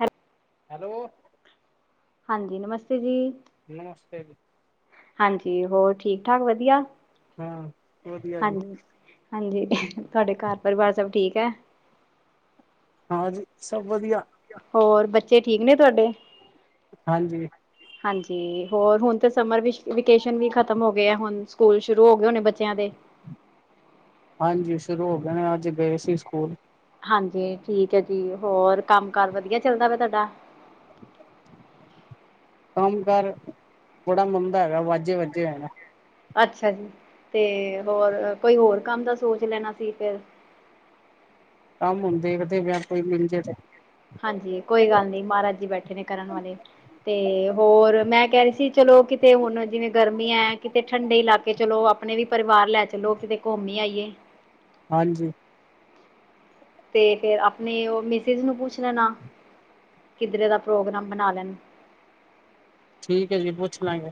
ਹੈ। ਹੈਲੋ। ਹਾਂਜੀ, ਨਮਸਤੇ ਜੀ। ਨਮਸਤੇ ਜੀ। ਹਾਂਜੀ, ਹੋਰ ਠੀਕ-ਠਾਕ ਵਧੀਆ। ਹਾਂ। ਵਧੀਆ ਜੀ ਹਾਂਜੀ-ਹਾਂਜੀ ਤੁਹਾਡੇ ਘਰ ਪਰਿਵਾਰ ਸਭ ਠੀਕ ਹੈ? ਹਾਂਜੀ, ਸਭ ਵਧੀਆ। ਹੋਰ, ਬੱਚੇ ਠੀਕ ਨੇ ਤੁਹਾਡੇ। ਹਾਂਜੀ। ਹਾਂਜੀ, ਹੋਰ ਹੁਣ ਤਾਂ ਸਮਰ ਵਿ ਵਿਕੇਸ਼ਨ ਵੀ ਖ਼ਤਮ ਹੋ ਗਏ ਹੁਣ। ਸਕੂਲ ਸ਼ੁਰੂ ਹੋ ਗਏ, ਹੋਣੇ ਬੱਚੇਆਂ ਦੇ। ਹਾਂਜੀ, ਸੁਰੂ ਹੋ ਗਏ ਨੇ, ਅੱਜ ਗਏ ਸੀ ਸਕੂਲ। ਹਾਂਜੀ, ਠੀਕ ਹੈ ਜੀ, ਹੋਰ ਕੰਮ-ਕਾਰ ਵਧੀਆ ਚੱਲਦਾ ਵਾ ਤੁਹਾਡਾ। ਕੰਮ-ਕਾਰ ਬੜਾ ਮੰਦਾ ਹੈਗਾ, ਵਾਜੇ ਵੱਜੇ ਹੋਏ ਨੇ। ਅੱਛਾ ਜੀ, ਤੇ ਹੋਰ ਕੋਈ ਹੋਰ ਕੰਮ ਦਾ ਸੋਚ ਲੈਣਾ ਸੀ, ਫੇਰ। ਕੰਮ ਹੁਣ ਦੇਖਦੇ ਪਿਆ, ਕੋਈ ਮਿਲ ਜਾਏ ਤੇ ਹਾਂਜੀ, ਕੋਈ ਗੱਲ ਨੀ। ਮਾਹਰਾਜ ਜੀ ਬੈਠੇ ਨੇ ਕਰਨ ਵਾਲੇ। ਤੇ ਹੋਰ, ਮੈਂ ਕਹਿ ਰਹੀ ਸੀ ਚਲੋ ਕਿਤੇ ਹੁਣ ਜਿਵੇਂ ਗਰਮੀਆਂ ਹੈ, ਕਿਤੇ ਠੰਡੇ ਇਲਾਕੇ ਚਲੋ। ਆਪਣੇ ਵੀ ਪਰਿਵਾਰ ਲੈ ਚਲੋ ਕਿਤੇ ਘੁੰਮ ਈ ਆਈਏ। ਹਾਂਜੀ। ਤੇ ਫੇਰ ਆਪਣੇ ਉਹ ਮਿਸਿਜ਼ ਨੂੰ ਪੁੱਛ ਲੈਣਾ। ਕਿਧਰੇ ਦਾ ਪ੍ਰੋਗਰਾਮ ਬਣਾ ਲੈਣ ਠੀਕ ਐ ਜੀ ਪੁੱਛ ਲਾਂਗੇ।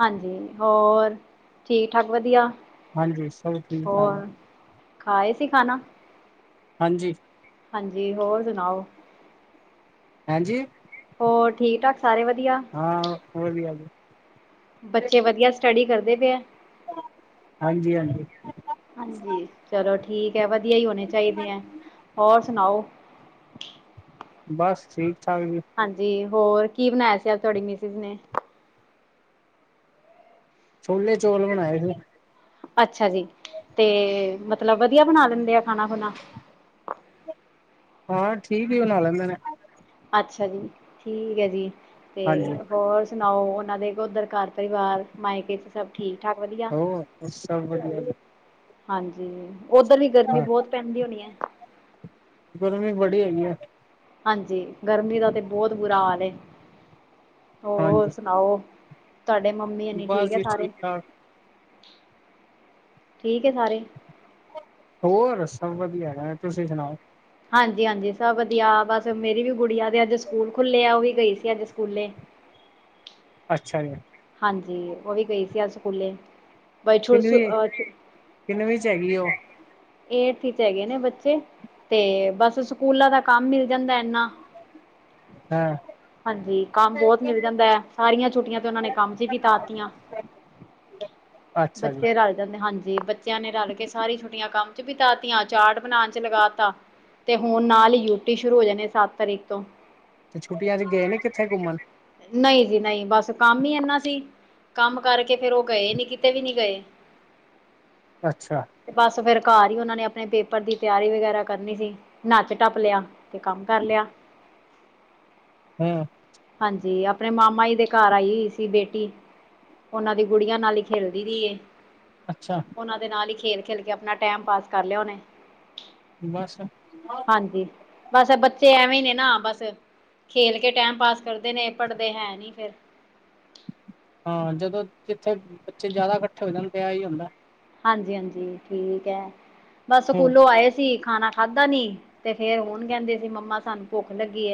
ਹਾਂਜੀ, ਹੋਰ ਠੀਕ-ਠਾਕ ਵਧੀਆ? ਹਾਂਜੀ ਸਭ ਠੀਕ-ਠਾਕ। ਹੋਰ ਖਾਏ ਤੇ ਖਾਣਾ। ਹਾਂਜੀ। ਹਾਂਜੀ ਹੋਰ ਸੁਣਾਓ। ਹਾਂਜੀ। ਹੋਰ ਠੀਕ-ਠਾਕ ਸਾਰੇ ਵਧੀਆ। ਹਾਂ। ਵਧੀਆ ਜੀ। ਬੱਚੇ ਵਧੀਆ ਸਟੱਡੀ ਕਰਦੇ ਪੇ ਆ। ਹਾਂਜੀ- ਹਾਂਜੀ। ਹਾਂਜੀ, ਚਲੋ ਠੀਕ ਹੈ ਵਧੀਆ ਹੀ ਹੋਣੇ ਚਾਹੀਦੇ ਐ, ਹੋਰ ਸੁਣਾਓ। ਬਸ ਠੀਕ- ਠਾਕ ਜੀ। ਹਾਂਜੀ ਹੋਰ ਕੀ ਬਣਾਇਆ ਸੀ ਅਜ ਤੁਹਾਡੀ ਮਿਸਿਜ ਨੇ। ਛੋਲੇ ਚੌਲ ਬਣਾਏ ਸੀ। ਅੱਛਾ ਜੀ, ਤੇ ਮਤਲਬ ਵਧੀਆ ਬਣਾ ਲੈਂਦੇ ਆ ਖਾਣਾ ਖੁਣਾ। ਹਾਂ, ਠੀਕ ਈ ਬਣਾ ਲੈਂਦੇ ਨੇ। ਅੱਛਾ ਜੀ। ਠੀਕ ਏ ਜੀ ਤੇ ਹਾਂਜੀ। ਹੋਰ? ਸੁਣਾਓ ਓਨਾਂ ਦੇ ਓਦਰ ਘਰ ਪਰਿਵਾਰ ਮਾਇਕੇ? ਸਭ ਠੀਕ-ਠਾਕ ਵਧੀਆ। ਹੋਰ, ਸਭ ਵਧੀਆ। ਹਾਂਜੀ। ਓਧਰ ਵੀ ਗਰਮੀ ਹਾਂ ਬਹੁਤ ਪੈਂਦੀ ਹੋਣੀ ਐ। ਗਰਮੀ ਬੜੀ ਹੈਗੀ ਏ ਹਾਂਜੀ, ਗਰਮੀ ਦਾ ਤੇ ਬਹੁਤ ਬੁਰਾ ਹਾਲ ਏ ਹਾਂਜੀ। ਹੋਰ ਸੁਣਾਓ? ਤੁਹਾਡੇ ਮੰਮੀ ਹੋਨੀ ਬਸ ਠੀਕ ਆ ਜੀ ਸਾਰੇ? ਠਾਕ ਠੀਕ ਹੈ ਸਾਰੇ। ਹੋਰ, ਸਭ ਵਧੀਆ ਹੈਗਾ, ਤੁਸੀਂ ਸੁਣਾਓ। ਹਾਂਜੀ- ਹਾਂਜੀ ਸਭ ਵਧੀਆ, ਬਸ ਮੇਰੀ ਵੀ ਗੁੜੀਆ ਦੇ ਅੱਜ ਸਕੂਲ ਖੁੱਲੇ ਆ, ਉਹ ਵੀ ਗਈ ਸੀ ਅੱਜ ਸਕੂਲੇ। ਅੱਛਾ ਜੀ। ਹਾਂਜੀ, ਓ ਵੀ ਗਈ ਸੀ ਅੱਜ ਸਕੂਲੇ। ਬਈ ਸ਼ੋਂ ਸ ਕਿੰਨਵੀਂ ਅ ਕਿੰਨਵੀਂ ਚ ਹੈਗੀ ਉਹ ਏਡਥ ਚ ਹੈਗੇ ਨੇ ਬੱਚੇ ਤੇ ਬਸ ਸਕੂਲਾਂ ਦਾ ਕੰਮ ਮਿਲ ਜਾਂਦਾ ਐਨਾ। ਹਾਂ ਹਾਂਜੀ ਕੰਮ ਬਹੁਤ ਮਿਲ ਜਾਂਦਾ ਐ ਸਾਰੀਆਂ ਛੁੱਟੀਆਂ ਤੇ ਉਹਨਾਂ ਨੇ ਕੰਮ 'ਚ ਵੀ ਤਾਤੀਆ। ਅੱਛਾ ਜੀ ਬੱਚੇ ਰਲ਼ ਜਾਂਦੇ, ਹਾਂਜੀ। ਬੱ ਬੱਚਿਆਂ ਨੇ ਰਲ ਕੇ ਸਾਰੀ ਛੁੱਟੀਆਂ ਕੰਮ ਚ ਵੀਤਾ ਤੀਆਂ ਚਾਟ ਬਣਾਣ ਚ ਲਗਾ ਤਾ ਤੇ ਹੁਨ ਨਾਲ ਹੀ ਯੂਟੀ ਸ਼ੁਰੂ ਹੋ ਜਾਣੇ ਸੱਤ ਤਰੀਕ ਤੋਂ। ਤੇ ਛੁੱਟੀਆਂ ਚ ਗਏ ਨੀ ਕਿੱਥੇ ਘੁੰਮਣ। ਨਹੀਂ ਜੀ ਨਹੀਂ ਬਸ ਕੰਮ। ਮੰਮੀ ਏਨਾ ਦੀ, ਕੰਮ ਕਰਕੇ ਫੇਰ ਓ ਗਏ ਨੀ, ਕਿਤੇ ਵੀ ਨੀ ਗਏ। ਅੱਛਾ। ਤੇ ਬਸ ਫੇਰ, ਘਰ ਹੀ ਓਨਾਂ ਨੇ ਆਪਣੇ ਪੇਪਰ ਦੀ ਤਿਆਰੀ ਵਗੈਰਾ ਕਰਨੀ ਸੀ। ਨੱਚ ਟੱਪ ਲਿਆ, ਤੇ ਕੰਮ ਕਰ ਲਿਆ। ਹੂੰ। ਹਾਂਜੀ, ਆਪਣੇ ਮਾਮਾ ਦੇ ਘਰ ਆਈ। ਸੀ, ਬੇਟੀ ਓਨਾਂ ਦੀ ਗੁੜੀਆਂ ਨਾਲ ਹੀ ਖੇਲਦੀ ਰਹੀ ਏ। ਅੱਛਾ। ਓਨਾਂ ਦੇ ਨਾਲ ਹੀ ਖੇਲ-ਖੇਲ ਕੇ ਆਪਣਾ ਟੈਮ ਪਾਸ ਕਰ ਲਿਆ, ਓਨੇ। ਬਸ ਹਾਂਜੀ। ਬਸ ਬੱਚੇ ਐਵੇਂ ਹੀ ਨੇ ਨਾ, ਬਸ ਖੇਲ ਕੇ ਟਾਈਮ ਪਾਸ ਕਰਦੇ ਨੇ, ਪੜ੍ਹਦੇ ਹੈ ਨੀ ਫੇਰ ਹਾਂ, ਜਦੋਂ ਜਿੱਥੇ ਬੱਚੇ ਜ਼ਿਆਦਾ ਇਕੱਠੇ ਹੋ ਜਾਣ ਤਾਂ ਆ ਹੀ ਹੁੰਦਾ। ਹਾਂਜੀ-ਹਾਂਜੀ, ਠੀਕ ਹੈ, ਬਸ ਹਮ ਸਕੂਲੋਂ ਆਏ ਸੀ। ਖਾਣਾ ਖਾਧਾ ਨੀ ਤੇ ਫੇਰ ਹੁਣ ਕੈਹਦੇ ਸੀ, ਮੰਮਾ ਸਾਨੂੰ ਭੁੱਖ ਲੱਗੀ।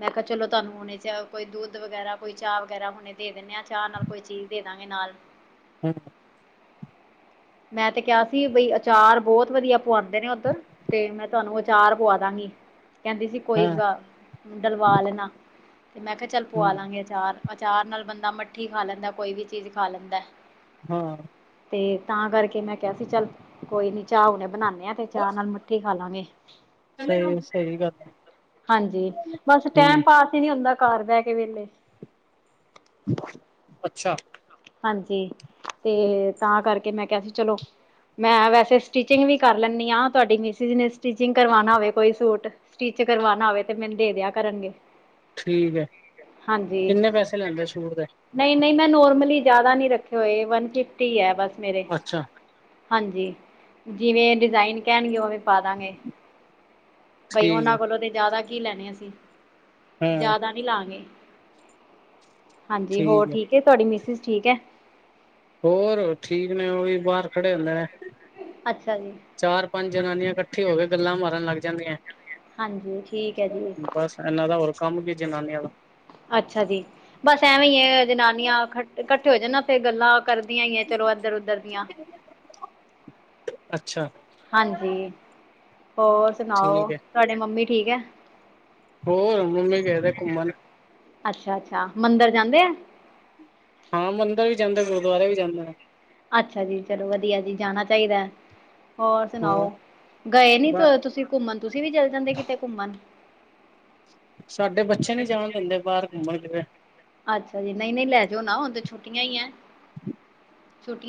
ਮੈਂ ਕਿਹਾ ਚਲੋ, ਤੁਹਾਨੂੰ ਹੁਣੇ ਚ ਕੋਈ ਦੁੱਧ ਵਗੈਰਾ, ਕੋਈ ਚਾਹ ਵਗੈਰਾ ਹੁਣੇ। ਦੇ ਦਿੰਦੇ ਆਂ। ਚਾਹ ਨਾਲ, ਕੋਈ ਚੀਜ਼ ਦੇ ਦਾਂਗੇ ਨਾਲ। ਹੂੰ। ਮੈਂ ਤੇ ਕਿਹਾ ਸੀ ਬਈ, ਅਚਾਰ ਬੋਤ ਵਧੀਆ ਪਆਉਂਦੇ ਨੇ ਓਧਰ। ਤੇ ਮੈਂ ਤੁਹਾਨੂੰ ਆਚਾਰ ਪਵਾਦਾਂਗੀ। ਕੈਹਦੀ ਸੀ, ਕੋਈ ਹਾਂ ਨਾ ਡਲਵਾ ਲੈਣਾ ਤੇ ਮੈਂ ਕਿਹਾ ਚੱਲ ਹਮ ਪਵਾਲਾਂਗੇ। ਅਚਾਰ-ਅਚਾਰ, ਨਾਲ ਬੰਦਾ ਮੱਠੀ ਖਾ ਲੈਂਦਾ, ਕੋਈ ਵੀ ਚੀਜ਼ ਖਾ ਲੈਂਦਾ। ਹਾਂ। ਤੇ ਤਾਂ ਕਰਕੇ ਮੈਂ ਕਿਹਾ ਸੀ, ਚੱਲ ਕੋਈ ਨੀ ਚਾਹ ਹੁਣੇ ਬਣਾਨੇ ਆ, ਤੇ ਚਾਹ ਨਾਲ ਕੀ ਖਾਾਲਾਂਗੇ। ਸਹੀ-ਸਹੀ ਗੱਲ ਆ। ਹਾਂਜੀ, ਬਸ ਟੈਮ ਪਾਸ ਈ ਨੀ ਹੁੰਦਾ, ਘਰ ਬੈਹ ਕੇ ਵੇਹਲੇ। ਅੱਛਾ। ਹਾਂਜੀ, ਤੇ ਤਾਂ ਕਰਕੇ, ਮੈਂ ਕਿਆ ਸੀ ਚਲੋ ਮੈਂ ਵੈਸੇ। ਸਟਿਚਿੰਗ ਵੀ ਕਰ ਲੈਣੀ ਹਾਂ, ਤੁਹਾਡੀ ਮਿਸਜ ਨੇ। ਸਟਿਚਿੰਗ ਕਰਵਾਣਾ ਹੋਵੇ ਕੋਈ ਸੂਟ, ਸਟਿਚ ਕਰਵਾਣਾ ਹੋਵੇ ਤੇ ਮੈਨੂੰ ਦੇ ਦਿਆ ਕਰਨਗੇ। ਠੀਕ ਹੈ, ਹਾਂਜੀ ਕਿੰਨੇ ਪੈਸੇ ਲੈਂਦੇ ਸੂਟ ਦੇ? ਨਹੀਂ -ਨਹੀਂ, ਮੈਂ ਨੋਰਮਲੀ ਜ਼ਿਆਦਾ ਨੀ ਰੱਖੇ ਹੋਏ, ਵਨ ਫਿਫਟੀ ਹੈ, ਬਸ ਮੇਰੇ ਅੱਛਾ ਹਾਂਜੀ, ਜਿਵੇਂ ਡਿਜ਼ਾਇਨ ਕੈਹਨਗੇ, ਉਵੇਂ ਪਾਦਾਂਗੇ। ਬਈ ਠੀਕ ਓਨਾਂ ਹੈ ਕੋਲੋਂ ਤੇ ਜਿਆਦਾ ਕੀ ਲੈਣੇ, ਅਸੀਂ ਹਾਂ ਜ਼ਿਆਦਾ ਲਾਂਗੇ। ਹਾਂਜੀ, ਹੋਰ ਠੀਕ ਐ, ਤੁਹਾਡੀ ਮਿਸਿਜ ਠੀਕ ਹੈ? ਹੋਰ ਠੀਕ ਨੇ, ਓ ਵੀ ਬਾਰ ਖੜੇ ਹੁੰਦੇ ਨੇ। ਅੱਛਾ ਜੀ ਚਾਰ-ਪੰਜ ਜਨਾਨੀਆਂ ਇਕੱਠੇ ਹੋ ਕੇ, ਗੱਲਾਂ ਮਾਰਨ ਲੱਗ ਜਾਂਦੀਆਂ। ਹਾਂਜੀ, ਠੀਕ ਐ ਜੀ। ਏਨਾਂ ਦਾ ਹੋਰ ਕੰਮ ਕੀ ਜਨਾਨੀਆਂ ਦਾ। ਅੱਛਾ ਜੀ, ਬਸ ਐਵੇਂ ਈ ਆ, ਜਨਾਨੀਆਂ ਇਕੱਠੇ ਹੋ ਜਾਣ ਨਾ। ਫੇਰ ਗੱਲਾਂ ਕਰਦੀਆਂ ਹੀ ਆ, ਚਲੋ ਏਧਰ -ਓਧਰ ਦੀਆਂ। ਅੱਛਾ ਹਾਂਜੀ, ਹੋਰ ਸੁਣਾਓ, ਠੀਕ ਹੈ। ਤੁਹਾਡੇ ਮੰਮੀ ਠੀਕ ਹੈ? ਹੋਰ, ਮੰਮੀ ਗਏ ਹੋਏ ਆ ਘੁੰਮਣ। ਅੱਛਾ-ਅੱਛਾ ਮੰਦਿਰ ਜਾਂਦੇ ਆ? ਹਾਂ, ਮੰਦਿਰ ਵੀ ਜਾਂਦੇ, ਗੁਰਦੁਆਰੇ ਵੀ ਜਾਂਦੇ ਨੇ। ਅੱਛਾ ਜੀ, ਚਲੋ ਵਦੀਆ ਜੀ, ਜਾਣਾ ਚਾਈਦਾ। ਹੋਰ ਸੁਨਾਓ, ਗਏ ਨੀ ਬ ਤੁਸੀਂ ਘੁੰਮਨ? ਤੁਸੀਂ ਵੀ ਚਲ ਜਾਂਦੇ ਕਿਤੇ ਘੁੰਮਨ। ਸਾਡੇ ਬੱਚੇ ਨੀ ਜਾਣ ਦਿੰਦੇ, ਬਾਹਰ ਘੁੰਮਣ ਫਿਰ ਅੱਛਾ ਜੀ, ਨਈ- ਨਈ ਲੈ ਜਾਓ ਨਾ, ਹੁਨ ਤੇ ਛੁੱਟੀਆਂ ਈ ਐ।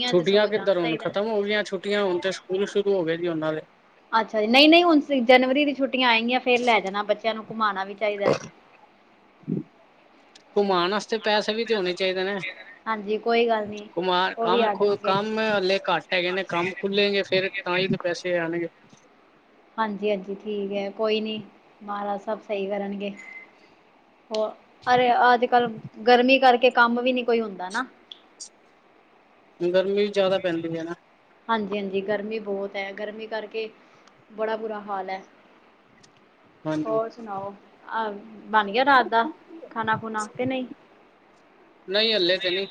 ਛੁੱਟੀਆਂ ਕਿੱਧਰ, ਜਾਣਾ ਹੁਣ ਚਾਹੀਦਾ ਖਤਮ ਹੋ ਗਈਆਂ ਛੁੱਟੀਆਂ, ਹੁਣ ਤੇ ਸਕੂਲ ਸ਼ੁਰੂ ਹੋ ਗਏ ਜੀ, ਓਨਾਂ ਦੇ। ਅੱਛਾ ਜੀ, ਨਈ -ਨਈ ਹੁਣ ਤੁਸੀ ਜਨਵਰੀ ਦੀ ਛੁੱਟੀਆਂ ਆਏਂਗੀਆਂ ਫੇਰ ਲੈ ਜਾਨਾਂ, ਬੱਚੇਆਂ ਨੂੰ ਘੁਮਾਨਾਂ ਵੀ ਚਾਈਦਾ। [unintelligible] ਪੈਸੇ ਵੀ ਤੇ ਹੋਣੇ ਚਾਈਦੇ ਨੇ, ਹਾਂਜੀ ਕੋਈ ਗੱਲ ਨਹੀਂ ਘਮਾਣ ਉਹ ਵੀ ਕੰਮ ਆ ਜਾਣਗੇ -ਕੰਮ ਹਲੇ ਘੱ ਟ, ਹੈਗੇ ਨੇ, ਕੰਮ ਖੁੱਲੇਂਗੇ ਫੇਰ, ਤਾਂ ਹੀ ਤਾਂ ਪੈਸੇ ਆਣਗੇ। ਹਾਂਜੀ -ਹਾਂਜੀ ਠੀਕ ਐ, ਕੋਈ ਨੀ ਮਹਾਰਾਜ ਸਬ ਸਈ ਕਰਨਗੇ। ਹੋਰ, ਅਰੇ ਅੱਜ- ਕੱਲ ਗਰਮੀ ਕਰਕੇ ਕੰਮ ਵੀ ਨੀ ਕੋਈ ਹੁੰਦਾ ਨਾ। ਗਰਮੀ ਜਾਦਾ ਪੈਂਦੀ ਐ ਨਾ। ਹਾਂਜੀ- ਹਾਂਜੀ, ਗਰਮੀ ਬੌਤ ਐ, ਗਰਮੀ ਕਰਕੇ ਬੜਾ ਬੁਰਾ ਹਾਲ ਐ। ਹਾਂਜੀ ਹੋਰ ਸੁਨਾਓ, ਬਨ ਗਿਆ, ਰਾਤ ਦਾ ਖਾਨਾ- ਖੂਨਾ ਕਿ ਨਈ? ਨਈ ਹਲੇੇ ਤੇ ਨਈਂ।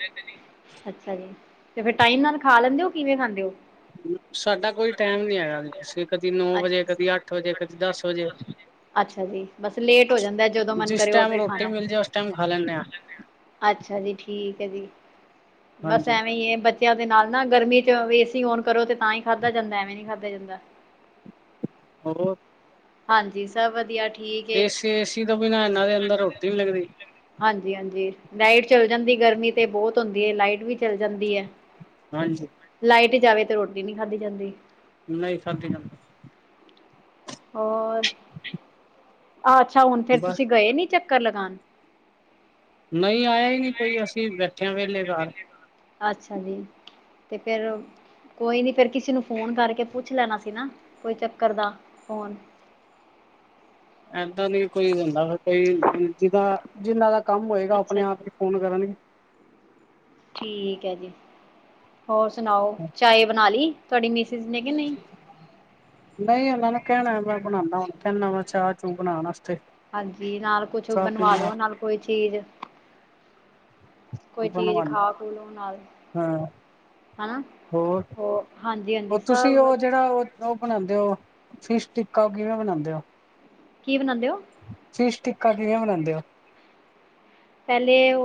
ਅੱਛਾ ਜੀ, ਤੇ ਫਿਰ ਟਾਈਮ ਨਾਲ ਖਾ ਲੈਂਦੇ ਓ, ਕਿਵੇਂ ਖਾਂਦੇ ਓ? [inaudible] ਸਾਡਾ ਕੋਈ ਟਾਈਮ ਨੀ ਹੈਗਾ, ਅਸੀਂ ਕਦੀ ਨੌ ਵਜੇ, ਅੱਛਾ ਕਦੀ ਅੱਠ ਵਜੇ, ਕਦੀ ਦਸ ਵਜੇ। ਅੱਛਾ ਜੀ, ਬਸ ਲੇਟ ਹੋ ਜਾਂਦਾ, ਜਦੋਂ ਮਨ ਜਿਸ ਕਰੇ ਉਦੋਂ ਟਾਈਮ ਹੀ ਰੋਟੀ ਖਾਣਾ। ਮਿਲ ਜਾਏ ਉਸ ਟਾਈਮ ਖਾ ਲੈਂਦੇ ਆਂ। ਅੱਛਾ ਜੀ, ਠੀਕ ਐ ਜੀ, ਬਸ ਹਾਂਜੀ ਐਵੇਂ ਈ ਐ ਬੱ ਦੇ ਨਾਲ ਨਾ ਗਰਮੀ ਚ ਏਸੀ ਔਨ ਕਰੋ ਤੇ ਤਾਂ ਹੀ ਖਾਧਾ ਜਾਂਦਾ, ਐਵੇਂ ਨੀ ਖਾਧਾ ਜਾਂਦਾ। ਹੋਰ? ਹਾਂਜੀ, ਸਬ ਵਧੀਆ। ਠੀਕ ਹੈ ਏਸੀ -ਏਸੀ ਤੋਂ ਬਿਨਾਂ ਇਨਾਂ ਦੇ ਅੰਦਰ ਰੋਟੀ ਨੀ ਲੱਗਦੀ। ਹਾਂਜੀ- ਹਾਂਜੀ, ਲਾਈਟ ਚੱਲ ਜਾਂਦੀ, ਗਰਮੀ ਤੇ ਬੌਤ ਹੁੰਦੀ ਏ ਲਾਈਟ ਵੀ ਚੱਲ ਜਾਂਦੀ ਐ। ਹਾਂਜੀ। ਲਾਈਟ ਜਾਵੇ ਤੇ, ਰੋਟੀ ਨਈਂ ਖਾਦੀ ਜਾਂਦੀ। ਨਈ ਖਾਦੀ ਜਾਂਦੀ। ਹੋਰ, ਅੱਛਾ ਹੁਣ ਫੇਰ, ਬਸ ਤੁਸੀਂ ਗਏ ਨੀ ਚੱਕਰ ਲਗਾਣ? ਨਹੀਂ ਆਏਆ ਈ ਨਈਂ ਕੋਈ, ਅਸੀਂ ਬੈਠੇ ਆ ਵੇਹਲੇ ਘਰ। ਅੱਛਾ ਜੀ, ਤੇ ਫਿਰ। ਕੋਈ ਨੀ, ਫੇਰ ਕਿਸੇ ਨੂੰ ਫੋਨ ਕਰਕੇ ਪੁੱਛ ਲੈਣਾ ਸੀ, ਨਾ ਕੋਈ ਚੱਕਰ ਦਾ ਫੋਨ- ਐਦਾਂ ਨੀ, ਕੋਈ ਦੇਂਦਾ, ਕੋਈ ਜਿਦਾ- ਜਿੰਨਾ ਦਾ ਕਮ ਹੋਏਗਾ, ਅੱਛਾ ਆਪਨੇ ਆਪ ਹੀ ਜੀ ਫੋਨ ਕਰਨਗੇ। ਠੀਕ ਐ ਜੀ? ਹੋਰ ਸੁਨਾਓ, ਚਾਏ ਬਨਾ ਲਈ ਤੁਆਡੀ ਮਿਸਿਸ ਨੇ ਕਿ ਨਹੀ? ਨਈ ਓਨਾ ਨੂੰ ਕੈਹਣਾ, ਮੈ ਬਣਾਂਦਾ ਕੇਹਨਾ ਵਾ, ਚਾਹ- ਚੂ ਬਣਾਣ ਵਾਸਤੇ- ਹਾਂਜੀ, ਨਾਲ ਕੁਛ ਚਾਹ ਬਨਵਾ ਪੀਣਾ ਲੋ ਨਾਲ ਕੋਈ ਚੀਜ- ਕੋਈ, ਚੀਜ ਬਣਵਾਉਦਾ ਖਾ- ਖੂ ਲੋ ਨਾਲ। ਹਾਂ ਹੈਨਾ, ਹੋਰ ਹਾਂਜੀ- ਹਾਂਜੀ ਸਭ- ਜੇਹੜਾ ਓ, ਓ ਬਨਾਂਦੇ ਓ, ਫਿਸ਼ ਟਿੱਕਾ ਓ ਕਿਵੇ ਬਨਾਂਦੇ ਓ? ਕੀ ਬਨਾਂਦੇ ਓ? ਫਿਸ਼ ਟਿੱਕਾ, ਕਿਵੇਂ ਬਨਾਂਦੇ ਓ? ਪੈਲੇ ਓ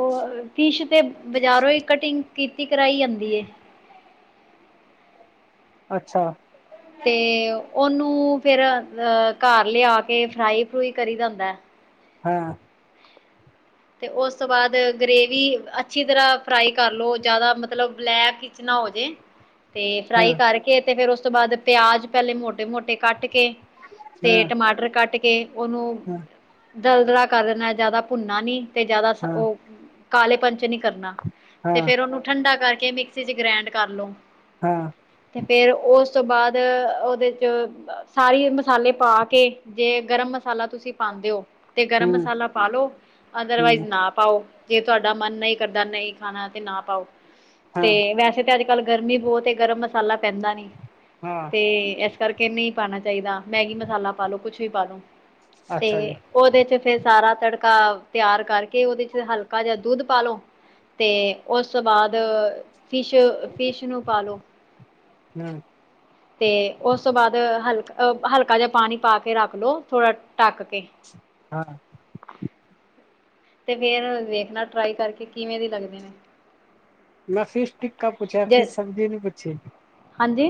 ਫਿਸ਼ ਤੇ, ਬਜਾਰੋਂ ਈ ਕਟਿੰਗ ਕੀਤੀ ਕਰਾਈ ਆਂਦੀ ਏ। ਅੱਛਾ ਤੇ ਉਹਨੂੰ ਫਿਰ ਅ ਘਰ ਲਿਆ ਕੇ ਫਰਾਈ -ਫਰੂਈ ਕਰੀਦਾ ਹੁੰਦਾ ਐ। ਹਾਂ ਤੇ ਉਸ ਤੋਂ ਬਾਅਦ ਗਰੇਵੀ ਅੱਛੀ ਤਰ੍ਹਾਂ ਫਰਾਈ ਕਰ ਲੋ ਜਿਆਦਾ ਮਤਲਬ ਬਲੈਕ ਵਿਚ ਨਾ ਹੋ ਜੇ। ਤੇ ਹਾਂ ਫਰਾਈ ਕਰਕੇ ਤੇ ਫੇਰ ਉਸ ਤੋਂ ਬਾਅਦ ਪਿਆਜ ਪਹਿਲੇ ਮੋਟੇ- ਮੋਟੇ ਕੱਟ- ਕੱਟ ਕੇ, ਤੇ ਹਾਂ ਟਮਾਟਰ ਕੱਟ ਕੇ ਉਹਨੂੰ- ਹਾਂ ਦਲ ਦਰਾ ਕਰ ਦੇਣਾ ਜਿਆਦਾ ਭੁੰਨਾ ਨੀ ਤੇ ਜਿਆਦਾ ਹਾਂ ਉਹ, ਕਾਲੇ ਪੰਨ ਚ ਨੀ ਕਰਨਾ। ਤੇ ਹਾਂ ਫੇਰ ਉਹਨੂੰ ਠੰਡਾ ਕਰਕੇ ਮਿਕਸੀ 'ਚ ਗ੍ਰੈਂਡ ਕਰ ਲੋ। ਹਾਂ ਤੇ ਫਿਰ ਉਸ ਤੋਂ ਬਾਅਦ ਉਹਦੇ 'ਚ ਸਾਰੀ ਮਸਾਲੇ ਪਾ ਕੇ- ਜੇ ਗਰਮ ਮਸਾਲਾ ਤੁਸੀ ਪਾਉਦੇ ਓ, ਤੇ ਗਰਮ ਹਮ ਮਸਾਲਾ ਪਾਲਓ, ਅਦਰਵਾਈਜ਼ ਹਮ ਨਾ- ਪਾਓ, ਜੇ ਤੁਹਾਡਾ ਮਨ ਨਈ ਕਰਦਾ ਨਈ ਖਾਣਾ ਤੇ ਨਾ ਪਾਓ, ਹਾਂ ਤੇ ਵੈਸੇ ਤਾਂ ਅੱਜ- ਅੱਜ ਕਲ ਗਰਮੀ ਬੋਤ ਏ ਗਰਮ ਮਸਾਲਾ ਪੈਂਦਾ ਨੀ। ਹਾਂ। ਤੇ ਇਸ ਕਰਕੇ ਨਹੀ ਪਾਣਾ ਚਾਹੀਦਾ ਮੈਗੀ ਮਸਾਲਾ ਪਾਲੋ ਕੁਛ ਵੀ ਪਾਲੋ, ਅੱਛਾ ਜੀ ਤੇ- ਉਹਦੇ 'ਚ ਫੇਰ ਸਾਰਾ ਤੜਕਾ- ਤਿਆਰ ਕਰਕੇ ਉਹਦੇ 'ਚ ਹਲਕਾ ਜਿਆ ਦੁੱਧ ਪਾਲੋ ਤੇ ਉਸ ਤੋ ਬਾਅਦ- ਫਿਸ਼ -ਫਿਸ਼ ਨੂੰ ਪਾਲੋ- ਹੂੰ ਤੇ ਉਸ ਤੋਂ ਬਾਅਦ ਹਲਕ- ਹਲਕਾ ਜਿਹਾ ਪਾਣੀ ਪਾ ਕੇ ਰੱਖ ਲਓ ਥੋੜਾ- ਢੱਕ ਕੇ- ਹਾਂ ਤੇ ਫੇਰ ਵੇਖਣਾ ਟਰਾਈ ਕਰਕੇ ਕਿਵੇਂ ਦੇ ਲਗਦੀ ਨੇ। ਮੈ ਫਿਸ਼ ਟਿਕਕਾ ਪੁੱਛਿਆ ਸੀ, ਜੇ ਸਬਜ਼ੀ ਨੀ ਪੁੱਛੀ। ਹਾਂਜੀ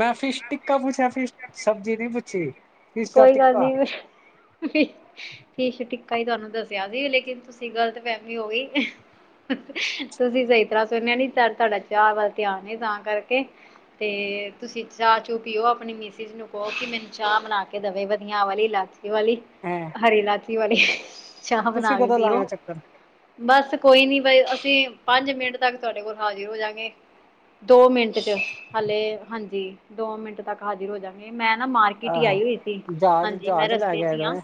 ਮੈ ਫਿਸ਼ ਟਿੱਕਾ ਪੁੱਛਿਆ ਸੀ, ਫਿਸ਼ ਸਬਜ਼ੀ ਨੀ ਪੁੱਛੀ। ਫਿਸ਼ ਦਾ ਕੋਈ ਗੱਲ ਨੀ। ਟਿੱਕਾ ਤੁਸੀ, ਫਿਸ਼ ਟੀਕਾ ਈ ਤੁਹਾਨੂੰ ਦੱਸਿਆ ਸੀ ਲੇਕਿਨ ਤੁਸੀ ਗਲਤ ਫੇਮੀ ਹੋ ਗਈ। ਤੁਸੀ ਸਹੀ ਤਰ੍ਹਾਂ ਸੁਣਿਆ ਨੀ ਤੁਹਾਡਾ ਚਾ ਵੱਲ ਧਿਆਨ ਏ ਤਾਂ ਕਰਕੇ। ਤੇ ਤੁਸੀ ਚਾ- ਚੁ ਪੀਓ ਆਪਣੀ ਮਿਸਿਜ ਨੂੰ ਕਹੋ ਕਿ ਮੈਨੂੰ ਚਾਹ ਬਣਾ ਕੇ- ਦਵੇ ਵਧਿਆ ਵਾਲੀ ਇਲਾਚੀ ਵਾਲੀ, ਹੈਂ ਹਰੀ ਇਲਾਚੀ ਵਾਲੀ- ਚਾਹ ਤੁਸੀਂ ਬਣਾ ਕੇ ਕਦੋਂ ਪੀਓ। ਲਾਣਾ ਚੱਕਰ ਬਸ ਕੋਈ ਨੀ ਬਾਈ ਅਸੀ ਪੰਜ ਮਿੰਟ ਤੱਕ ਤੁਹਾਡੇ ਕੋਲ ਹਾਜਰ ਹੋ ਜਾਗੇ। ਦੋ ਮਿੰਟ ਚ, ਹਾਲੇ ਹਾਂਜੀ ਦੋ ਮਿੰਟ ਤੱਕ ਹਾਜ਼ਰ ਹੋ ਜਾ- ਤੇ ਮੈਂ ਨਾ ਮਾਰਕੀਟ ਈ ਆਹੋ ਆਈ ਹੋਈ- ਸੀ। ਜਹਾਜ਼ ਹਾਂਜੀ ਮੈਂ -ਜਹਾਜ਼ ਲੈ ਰਸਤੇ ਕੇ ਚ ਹੀ ਆਇਗਾ ਹਾਂ ਕੇ?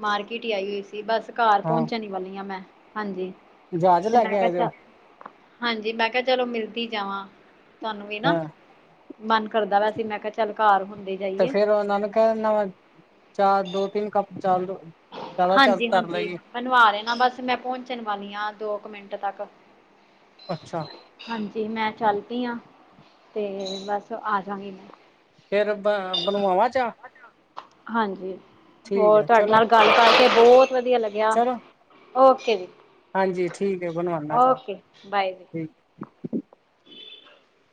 ਮਾਰਕੀਟ ਈ ਆਈ ਹੋਈ ਸੀ ਬਸ ਘਰ ਹਾਂ ਪਹੁੰਚਣ ਈ ਵਾਲੀ ਆ ਮੈ, ਹਾਂਜੀ। ਜਹਾਜ਼ ਤੇ ਲੈ ਮੈ ਕੇ ਕਿਆ ਆਏ ਦੇ ਹੋ ਚਲ, ਹਾਂਜੀ ਮੈ ਕਿਆ ਚਲੋ ਮਿਲਕੇ ਈ ਜਾਵਾ। ਤੁਹਾਨੂੰ ਵੀ ਨਾ, ਹਾਂ ਮਨ ਕਰਦਾ ਵੈਸੇ ਮੈਂ ਕਿਹਾ ਚੱਲ ਘਰ ਹੁੰਦੇ ਜਾਈਏ। ਐਲੋ, ਚਾਹ ਦੇਕੇ ਇਕ ਕੱਪ ਚਾਹ ਈ ਹੋ ਹਾਂਜੀ ਹਾਂਜੀ ਬਨਵਾ ਲੈਨਾ ਬਸ ਮੈਂ ਪਹੁੰਚਣ ਵਾਲੀ ਆ ਦੋ ਕੁ ਮਿੰਟ ਤੱਕ। ਅੱਛਾ ਹਾਂਜੀ ਮੈਂ ਚੱਲ ਪੀਆ, ਤੇ ਬਸ ਆ ਜਾਗੀ ਮੈਂ। ਫੇਰ ਇਦਾਂ ਬਣਵਾਵਾਂ ਚਾ? ਹਾਂਜੀ, ਠੀਕ ਹੋਰ ਹੈ ਤੁਹਾਡੇ ਚਲੋ ਨਾਲ ਗੱਲ ਕਰਕੇ ਬਹੁਤ ਵਧੀਆ ਲੱਗਿਆ। ਚਲੋ ਓਕੇ ਜੀ। ਹਾਂਜੀ ਠੀਕ ਐ ਬਣਵਾਣਾ ਚਾਹ, ਓਕੇ ਬਾਏ ਜੀ ਠੀਕ। [inaudible]